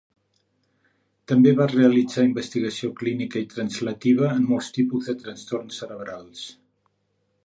També va realitzar investigació clínica i translativa en molts tipus de trastorns cerebrals.